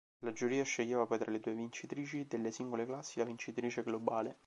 La giuria sceglieva poi tra le due vincitrici delle singole classi la vincitrice globale.